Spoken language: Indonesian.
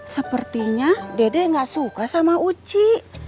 sepertinya dede gak suka sama uci